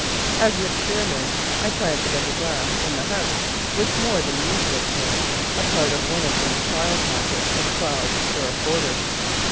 As an experiment, I planted under glass in the house, with more than usual care, a part of one of these trial packages of twelve for a quarter.